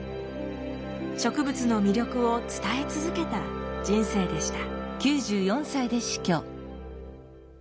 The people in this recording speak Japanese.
植物の魅力を伝え続けた人生でした。